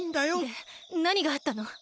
でなにがあったの？